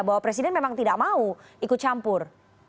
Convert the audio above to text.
bahwa presiden memang tidak mau ikut campur